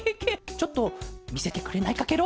ちょっとみせてくれないかケロ？